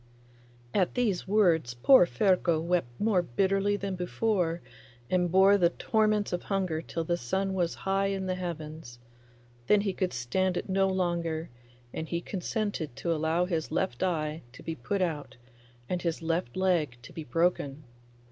At these words poor Ferko wept more bitterly than before, and bore the torments of hunger till the sun was high in the heavens; then he could stand it no longer, and he consented to allow his left eye to be put out and his left leg to be broken.